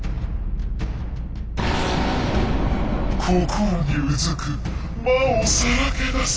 心にうずく魔をさらけ出す。